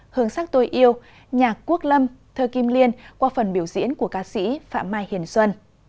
hương sắc tôi yêu nhạc quốc lâm thơ kim liên qua phần biểu diễn của ca sĩ phạm mai hiền xuân